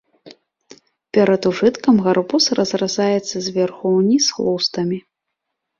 Перад ужыткам гарбуз разразаецца зверху ўніз лустамі.